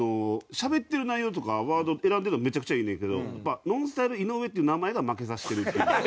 しゃべってる内容とかワード選んでるのはめっちゃくちゃいいねんけどＮＯＮＳＴＹＬＥ井上っていう名前が負けさせてるっていう。